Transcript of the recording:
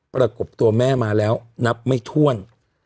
ประกบตัวแม่มาแล้วนับไม่ถ้วน